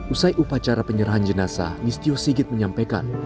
usai upacara penyerahan jenazah listio sigit menyampaikan